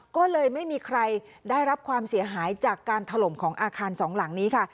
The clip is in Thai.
ก็เลยไม่มีใครได้รับความเสียหายจากการถล่มของอาคารสองหลังนี้ค่ะ